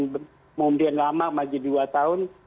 kemudian lama masih dua tahun